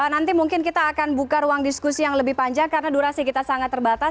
nanti mungkin kita akan buka ruang diskusi yang lebih panjang karena durasi kita sangat terbatas